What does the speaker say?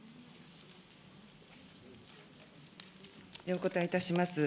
お答えいたします。